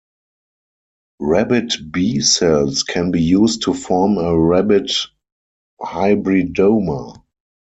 Rabbit B-cells can be used to form a rabbit hybridoma.